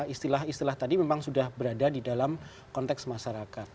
istilah istilah tadi memang sudah berada di dalam konteks masyarakat